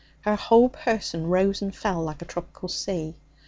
Her whole person rose and fell like a tropical sea.